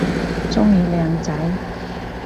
鍾意靚仔